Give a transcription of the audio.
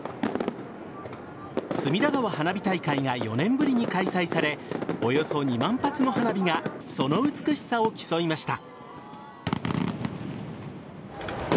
隅田川花火大会が４年ぶりに開催されおよそ２万発の花火がその美しさを競いました。